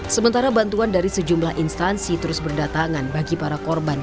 sementara bantuan dari sejumlah instansi terus berdatangan bagi para korban